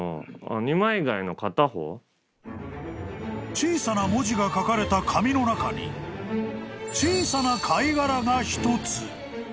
［小さな文字が書かれた紙の中に小さな貝殻が１つ］